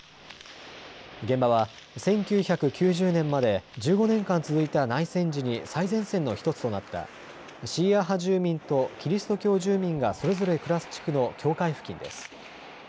現場は１９９０年まで１５年間続いた内戦時に最前線の１つとなったシーア派住民とキリスト教住民がそれぞれ暮らす地区の境界付近です。